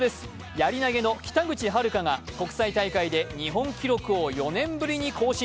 やり投げの北口榛花が国際大会で日本記録を４年ぶりに更新。